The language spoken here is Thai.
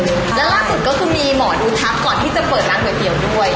แล้วลากสุดก็คือมีหม่อนุทักก่อนที่จะเปิดนับหน่วยเดียวด้วย